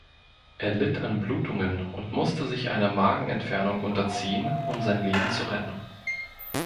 Er litt an Blutungen und musste sich einer Magenentfernung unterziehen, um sein Leben zu retten.